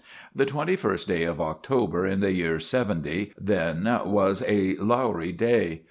The twenty first day of October in the year '70, then, was a lowery day.